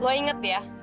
lo inget ya